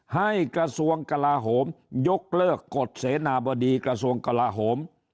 กระทรวงกลาโหมยกเลิกกฎเสนาบดีกระทรวงกลาโหม